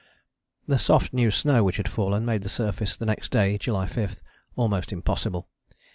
The soft new snow which had fallen made the surface the next day (July 5) almost impossible.